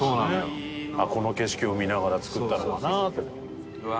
この景色を見ながら作ったのかなってね。